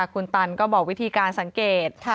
คุณตันก็บอกวิธีการสังเกต